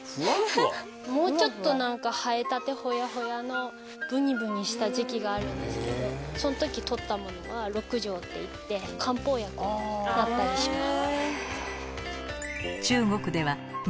もうちょっと生えたてホヤホヤの。があるんですけどその時取ったものは鹿茸っていって漢方薬になったりします。